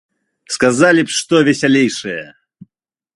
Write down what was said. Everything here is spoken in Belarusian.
Сказалі б што весялейшае!